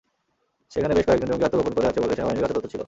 সেখানে বেশ কয়েকজন জঙ্গি আত্মগোপন করে আছে বলে সেনাবাহিনীর কাছে তথ্য ছিল।